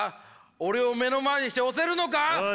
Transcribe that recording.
俺を目の前にして押せるのか！？